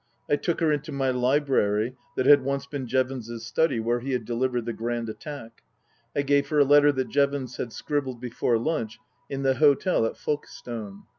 I took her into my library that had once been Jevons's study, where he had delivered the Grand Attack. I gave her a letter that Jevons had scribbled before lunch in the hotel at Folkestone.